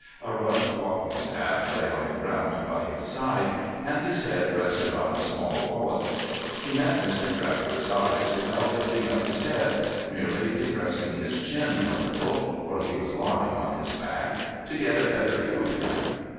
A rough walking staff lay on the ground by his side, and his head rested on a small wallet. He met Mr. Traveller's eye without lifting up his head, merely depressing his chin a little (for he was lying on his back) to get a better view of him.